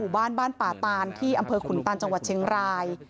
บ้านบ้านป่าตานที่อำเภอขุนตานจังหวัดเชียงราย